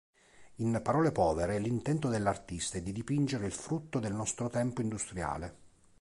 In parole povere l'intento dell'artista è di dipingere "il frutto del nostro tempo industriale".